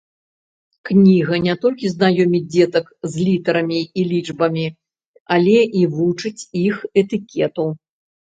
Кніга не толькі знаёміць дзетак з літарамі і лічбамі, але і вучыць іх этыкету.